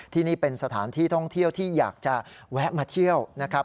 ที่นี่เป็นสถานที่ท่องเที่ยวที่อยากจะแวะมาเที่ยวนะครับ